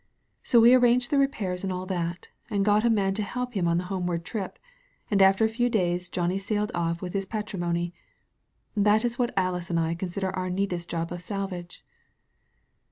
"'So we arranged the repairs and all that, and got a man to help on the homeward trip, and after a few days Johnny sailed off with his patrimony. That is what Alice and I consider our neatest job of salvage."